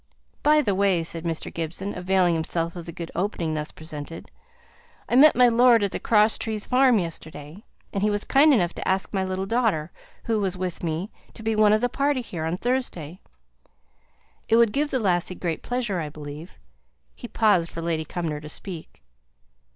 "By the way!" said Mr. Gibson, availing himself of the good opening thus presented, "I met my lord at the Cross trees Farm yesterday, and he was kind enough to ask my little daughter, who was with me, to be one of the party here on Thursday; it would give the lassie great pleasure, I believe." He paused for Lady Cumnor to speak.